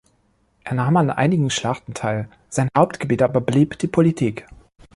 Er nahm an einigen Schlachten teil, sein Hauptgebiet aber blieb die Politik.